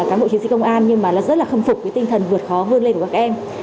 các bộ chiến sĩ công an rất khâm phục tinh thần vượt khó vươn lên của các em